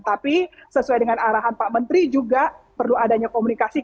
tapi sesuai dengan arahan pak menteri juga perlu adanya komunikasi